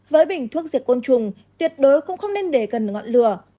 với bình thuốc diệt côn trùng tuyệt đối không nên để gần ngọn lửa